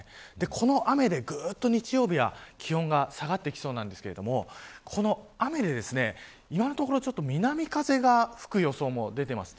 この雨でぐっと日曜日は気温が下がってきそうなんですがこの雨で今のところ南風が吹く予想も出ています。